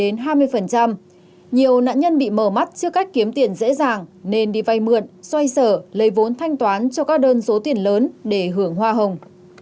nhiều nạn nhân bị mở mắt trước cách kiếm tiền dễ dàng nên đi vay mượn xoay sở lấy vốn thanh toán cho các đơn số tiền lớn để hưởng hoa hồng